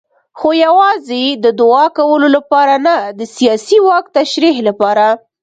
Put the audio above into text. خو یوازې د دوعا کولو لپاره نه د سیاسي واک تشریح لپاره.